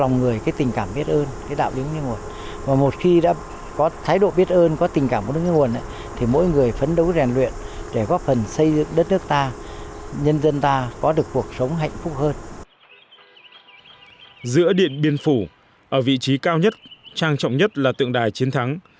giữa điện biên phủ ở vị trí cao nhất trang trọng nhất là tượng đài chiến thắng